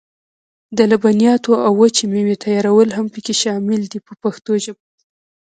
د لبنیاتو او وچې مېوې تیارول هم پکې شامل دي په پښتو ژبه.